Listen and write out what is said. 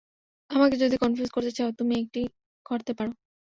আমাকে যদি কনফিউজ করতে চাও, তুমি এটি করতে পারো।